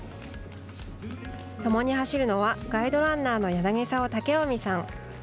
共に走るのはガイドランナーの柳澤威臣さん。